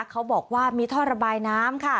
เขาบอกว่ามีท่อระบายน้ำค่ะ